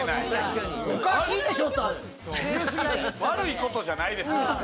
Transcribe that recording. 悪いことじゃないですから。